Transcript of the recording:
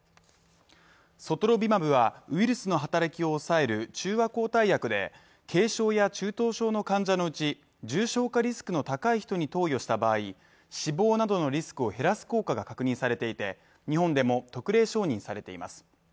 ソトロビマブはウイルスの働きを抑える中和抗体薬で軽症や中等症の患者のうち重症化リスクの高い人に投与した場合、死亡などのリスクを減らす効果が確認されていて日本でも特例承認されています。